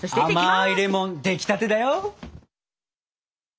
甘いレモン出来立てだよ。